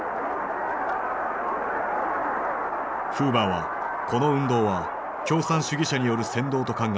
フーバーはこの運動は共産主義者による扇動と考え